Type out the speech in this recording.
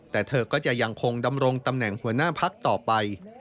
แต่เธอก็จะยังคงดำรงตำแหน่งหัวหน้าพักต่อไป